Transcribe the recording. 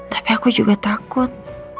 tapi aku juga takut